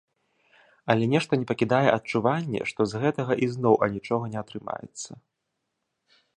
Але нешта не пакідае адчуванне, што з гэтага ізноў анічога не атрымаецца.